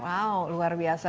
wow luar biasa